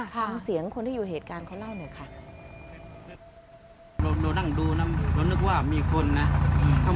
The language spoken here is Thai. ฟังเสียงคนที่อยู่เหตุการณ์เขาเล่าหน่อยค่ะ